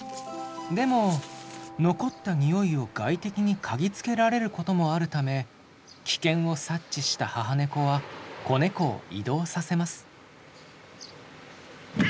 でも残ったにおいを外敵に嗅ぎつけられることもあるため危険を察知した母ネコは子ネコを移動させます。